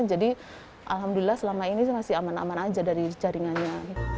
jadi alhamdulillah selama ini masih aman aman saja dari jaringannya